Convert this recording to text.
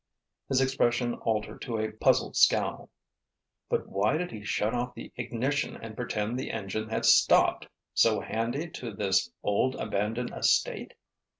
His expression altered to a puzzled scowl. "But why did he shut off the ignition and pretend the engine had stopped—so handy to this old, abandoned estate?"